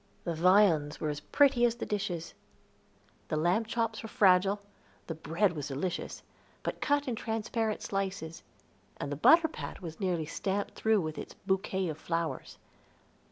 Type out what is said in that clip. The viands were as pretty as the dishes, the lamb chops were fragile; the bread was delicious, but cut in transparent slices, and the butter pat was nearly stamped through with its bouquet of flowers.